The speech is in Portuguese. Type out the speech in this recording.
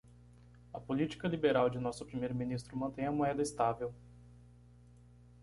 A política liberal de nosso primeiro ministro mantém a moeda estável.